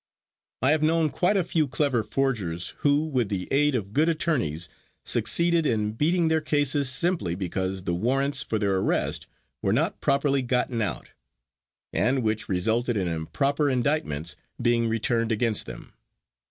I have known quite a few clever forgers, who with the aid of good attorneys, succeeded in beating their cases simply because the warrants for their arrest were not properly gotten out, and which resulted in improper indictments being returned against them.